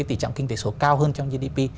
tỷ trọng kinh tế số cao hơn trong gdp